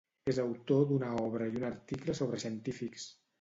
És autor d'una obra i un article sobre científics.